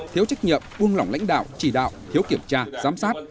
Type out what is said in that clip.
thiếu trách nhiệm buông lỏng lãnh đạo chỉ đạo thiếu kiểm tra giám sát